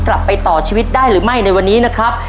กลับไปต่อชีวิตได้หรือไม่ในวันนี้นะครับ